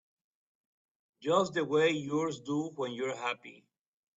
Just the way yours do when you're happy.